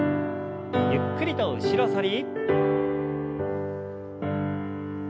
ゆっくりと後ろ反り。